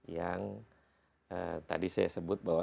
yang tadi saya sebut bahwa